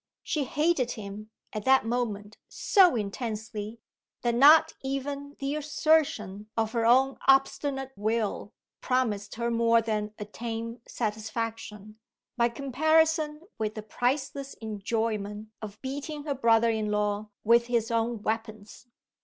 She hated him, at that moment, so intensely, that not even the assertion of her own obstinate will promised her more than a tame satisfaction, by comparison with the priceless enjoyment of beating her brother in law with his own weapons.